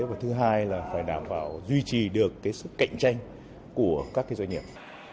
và thứ hai là phải đảm bảo duy trì được cái sức cạnh tranh của các doanh nghiệp